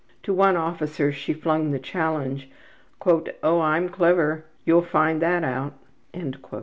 To one officer she flung the challenge, ``Oh, I'm clever, you'll find that out.''